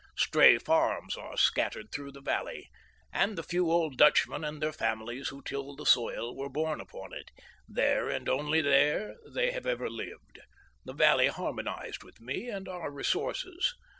Stray farms are scattered through the valley, and the few old Dutchmen and their families who till the soil were born upon it; there and only there they have ever lived. The valley harmonised with me and our resources.